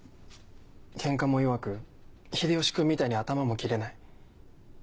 ケンカも弱く秀吉君みたいに頭も切れない。